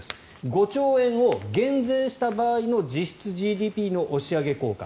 ５兆円を減税した場合の実質ＧＤＰの押し上げ効果。